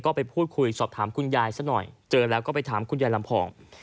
ก็ไปพูดคุยสอบถามคุณยายซะหน่อยเจอแล้วก็ไปถามคุณยายลำพอง